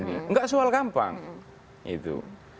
tidak soal gampang gitu